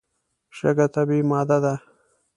شګه طبیعي ماده ده.